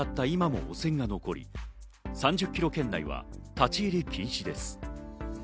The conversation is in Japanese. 今も汚染が残り、３０キロ圏内は立ち入り禁止です。